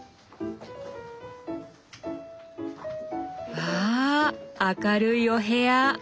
わあ明るいお部屋。